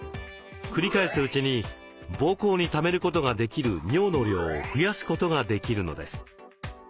繰り返すうちに膀胱にためることができる尿の量を増やすことができるのです。